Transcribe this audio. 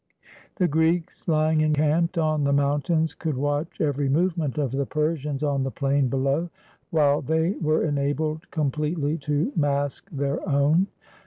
The Greeks, lying encamped on the mountains, could watch every movement of the Persians on the plain below, while they were enabled completely to mask their own.